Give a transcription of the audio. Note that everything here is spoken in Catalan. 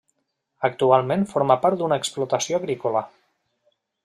Actualment forma part d'una explotació agrícola.